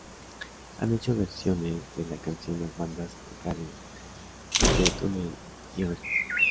Han hecho versiones de la canción las bandas The Cardigans, Fudge Tunnel y Overkill.